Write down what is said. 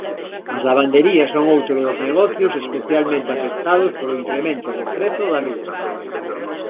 As lavanderías son outro dos negocios especialmente afectados polo incremento do prezo da luz.